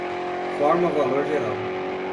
Forma-valor geral